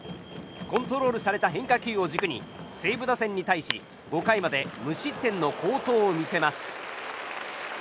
コントロールされた変化球を軸に西武打線に対し５回まで無失点の好投を見せます。